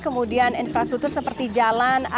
kemudian infrastruktur seperti jalan